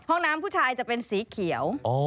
ห้องน้ำผู้ชายจะเป็นสีเขียว